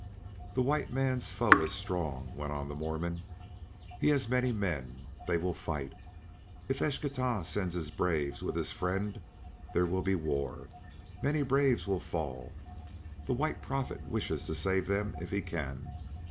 "The white man's foe is strong," went on the Mormon; "he has many men, they will fight. If Eschtah sends his braves with his friend there will be war. Many braves will fall. The White Prophet wishes to save them if he can.